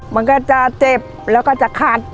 มันก็จะเจ็บแล้วก็จะขาด